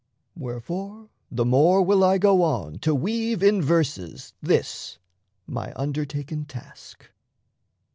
Wherefore the more will I go on to weave In verses this my undertaken task.